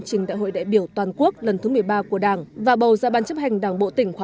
trình đại hội đại biểu toàn quốc lần thứ một mươi ba của đảng và bầu ra ban chấp hành đảng bộ tỉnh khóa một mươi